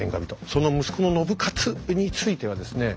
その息子の信雄についてはですね